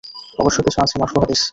অবশ্য কিছু আছে মারফূ হাদীস।